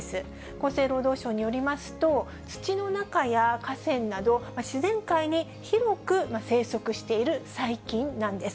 厚生労働省によりますと、土の中や河川など、自然界に広く生息している細菌なんです。